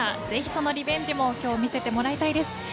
ぜひそのリベンジも今日、見せてもらいたいです。